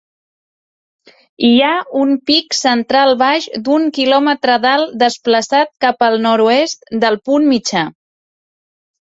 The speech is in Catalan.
Hi ha un pic central baix, d'un kilòmetre d'alt, desplaçat cap al nord-oest del punt mitjà.